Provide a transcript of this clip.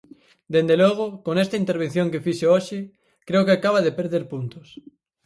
Dende logo, con esta intervención que fixo hoxe, creo que acaba de perder puntos.